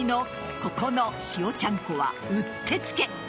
ここの塩ちゃんこはうってつけ。